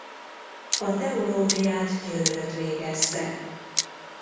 A teológiát Győrött végezte.